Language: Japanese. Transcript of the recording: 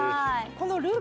このるー